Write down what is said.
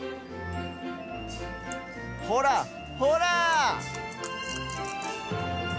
ほらほら！